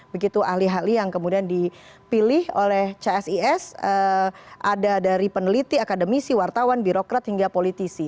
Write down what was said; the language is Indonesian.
begitu ahli ahli yang kemudian dipilih oleh csis ada dari peneliti akademisi wartawan birokrat hingga politisi